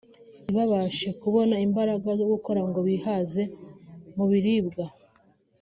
ntibabashe kubona imbaraga zo gukora ngo bihaze mu biribwa